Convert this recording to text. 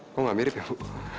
kok nggak mirip ya bu